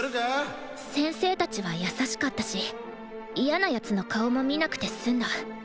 先生たちは優しかったし嫌な奴の顔も見なくて済んだ。